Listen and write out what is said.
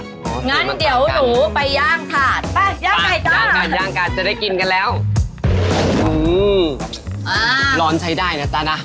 ก็จะได้กลิ่นของถาด